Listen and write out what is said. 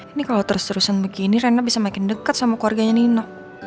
ini kalo terus terusan begini rena bisa makin deket sama keluarganya nino